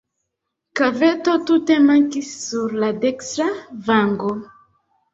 Kaveto tute mankis sur la dekstra vango.